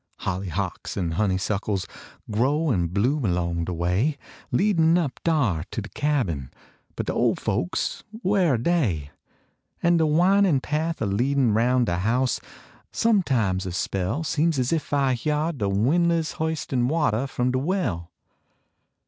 Hollyhocks en honeysuckles Grow en bloom along de way. Leadin np dar to de cabin ; But de ole folks, whar are dey ? An de winin path a Icadin Ronn de house ; sometimes a spell Seems es ef I h yard de win less H istin watah f om de well.